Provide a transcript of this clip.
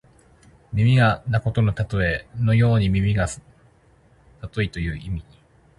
耳が鋭敏なことのたとえ。師曠のように耳がさといという意味。